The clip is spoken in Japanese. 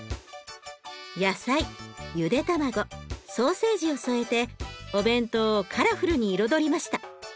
野菜ゆで卵ソーセージを添えてお弁当をカラフルに彩りました。